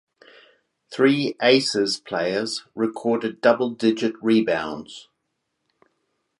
Three Aces players recorded double digit rebounds.